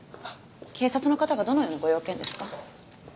警察の方がどのようなご用件ですか？